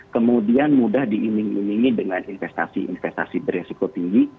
kemudian mudah diimbing imbingi dengan investasi investasi beresiko tinggi